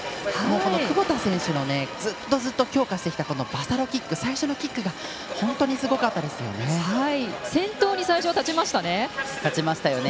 窪田選手のずっとずっと強化してきたバサロキック最初のキックが本当にすごかったですよね。